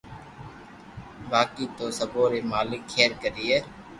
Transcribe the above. باقي تو سبو ري مالڪ کير ڪري